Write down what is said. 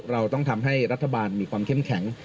เราต้องทำให้รัฐบาลมีความเข้มแข็ง